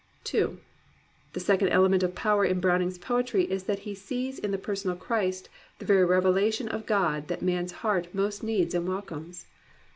2. The second element of power in Browning's poetry is that he sees in the personal Christ the very revelation of God that man's heart most needs and welcomes.